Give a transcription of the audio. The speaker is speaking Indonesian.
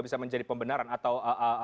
bisa menjadi pembenaran atau